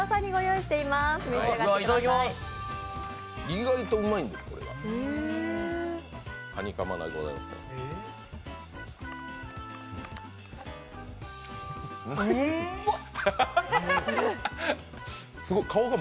意外とうまいんですこれが。